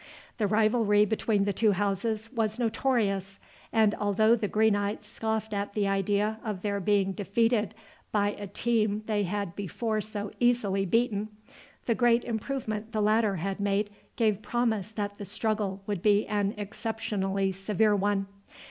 The rivalry between the two houses was notorious, and although the Greenites scoffed at the idea of their being defeated by a team they had before so easily beaten, the great improvement the latter had made gave promise that the struggle would be an exceptionally severe one.